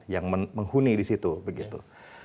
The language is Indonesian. yang menghuni di situ